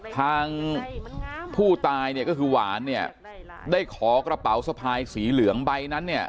ทางผู้ตายเนี่ยก็คือหวานเนี่ยได้ขอกระเป๋าสะพายสีเหลืองใบนั้นเนี่ย